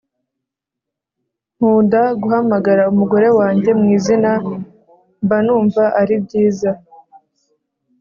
Nkuda guhamagara umugore wanjye mu izina mbanumva aribyiza